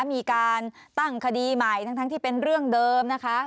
มีการตั้งคดีใหม่ทั้งที่เป็นเรื่องเดิมนะคะ